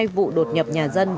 một mươi hai vụ đột nhập nhà dân